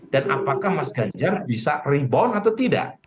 dan apakah mas ganjar bisa rebound atau tidak